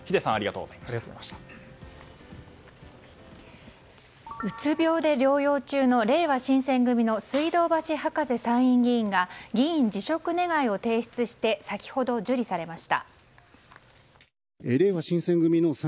うつ病で療養中のれいわ新選組の水道橋博士参院議員が議員辞職願を提出して、先ほど受理されました。